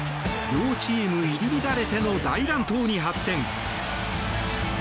両チーム入り乱れての大乱闘に発展。